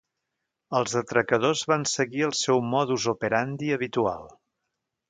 Els atracadors van seguir el seu 'modus operandi' habitual.